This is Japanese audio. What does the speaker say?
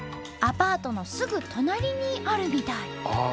アパートのすぐ隣にあるみたい。